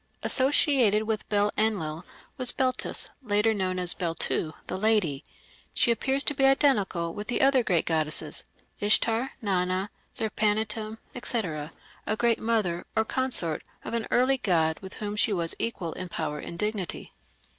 Associated with Bel Enlil was Beltis, later known as "Beltu the lady". She appears to be identical with the other great goddesses, Ishtar, Nana, Zerpanituᵐ, &c., a "Great Mother", or consort of an early god with whom she was equal in power and dignity.